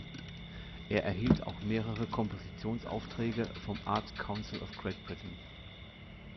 Er erhielt auch mehrere Kompositionsaufträge vom "Arts Council of Great Britain".